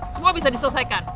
semua bisa diselesaikan